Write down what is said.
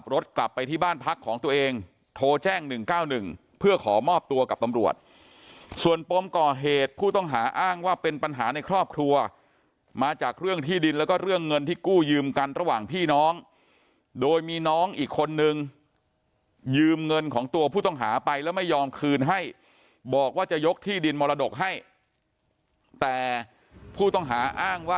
กลับไปที่บ้านพักของตัวเองโทรแจ้ง๑๙๑เพื่อขอมอบตัวกับตำรวจส่วนปมก่อเหตุผู้ต้องหาอ้างว่าเป็นปัญหาในครอบครัวมาจากเรื่องที่ดินแล้วก็เรื่องเงินที่กู้ยืมกันระหว่างพี่น้องโดยมีน้องอีกคนนึงยืมเงินของตัวผู้ต้องหาไปแล้วไม่ยอมคืนให้บอกว่าจะยกที่ดินมรดกให้แต่ผู้ต้องหาอ้างว่า